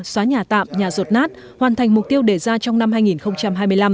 xóa nhà tạm nhà rột nát hoàn thành mục tiêu đề ra trong năm hai nghìn hai mươi năm